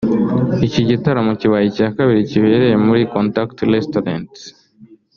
Iki gitaramo kibaye icya kabiri kibereye muri Contact Restaurant